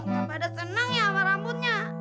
padahal senang ya sama rambutnya